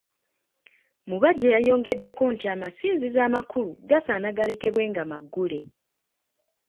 Mubajje yayongeddeko nti amasinzizo amakulu gasaana galekebwe nga maggule.